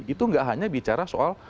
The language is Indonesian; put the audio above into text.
itu nggak hanya bicara soal